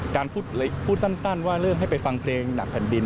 การพูดสั้นว่าเริ่มให้ไปฟังเพลงหนักแผ่นดิน